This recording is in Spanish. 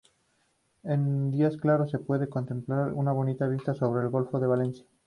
En días claros se puede contemplar una bonita vista sobre el golfo de Valencia.